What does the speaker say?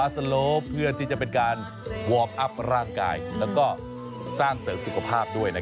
ส์โอ๊คมาแล้ว